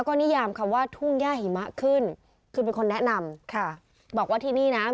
ก็นิยามคำว่าทุ่งย่าหิมะขึ้นคือเป็นคนแนะนำค่ะบอกว่าที่นี่นะ